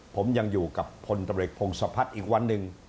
ผมยังอยู่กับพลตำรวจพงศพัฒน์อีกวันหนึ่ง